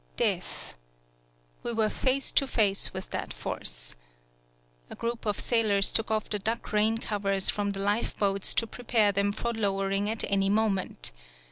Death we were face to face with that force ! A group of sailors took off the duck rain covers from the lifeboats to prepare them for lowering at any mo ment.